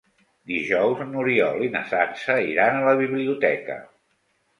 Dijous n'Oriol i na Sança iran a la biblioteca.